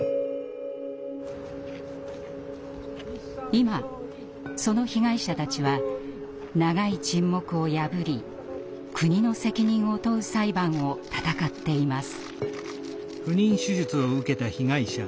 今その被害者たちは長い沈黙を破り国の責任を問う裁判を闘っています。